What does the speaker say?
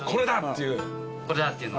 これだ！っていう。